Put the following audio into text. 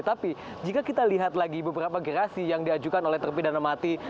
tapi jika kita lihat lagi beberapa gerasi yang diajukan oleh terpidana mati